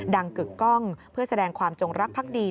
กึกกล้องเพื่อแสดงความจงรักภักดี